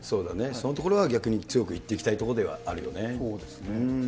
そのところは逆に強く言っていきたいところではあるよね。